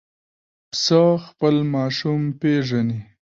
پسه خپل ماشوم پېژني.